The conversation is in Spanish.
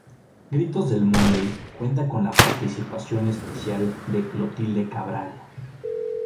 Gritos del Monday cuenta con la participación especial de Clotilde Cabral.